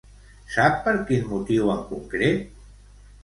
Sap per quin motiu en concret?